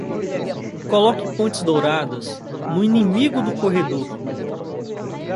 Coloque pontes douradas no inimigo do corredor.